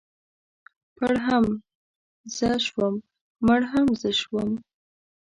پړ هم زه شوم مړ هم زه شوم.